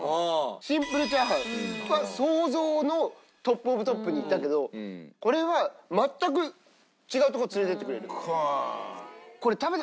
シンプルチャーハンは想像のトップオブトップにいったけどこれは全く違うとこ連れていってくれる。